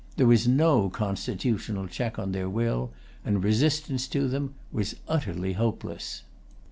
There was no constitutional check on their will, and resistance to them was utterly hopeless.